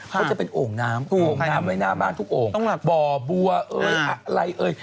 เขาจะเป็นโอ่งน้ำโอ่งน้ำไว้หน้าบ้านทุกโอ่งบ่อบัวเอ่ยอะไรเอ่ย